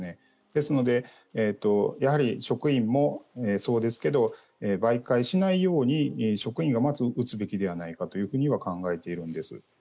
ですのでやはり職員もそうですが媒介しないように職員がまず打つべきではないかと考えているんです。